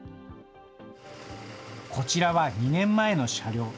こちらは２年前の車両。